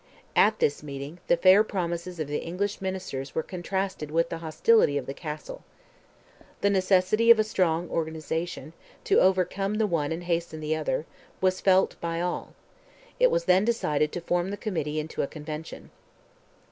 At this meeting, the fair promises of the English ministers were contrasted with the hostility of the Castle. The necessity of a strong organization, to overcome the one and hasten the other, was felt by all: it was then decided to form the Committee into a Convention.